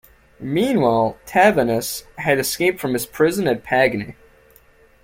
Meanwhile, Tavannes had escaped from his prison at Pagny.